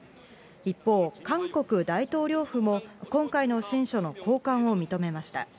一方、韓国大統領府も今回の親書の交換を認めました。